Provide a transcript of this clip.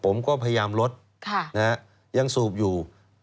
ผมก็พยายามลดยังสูบอยู่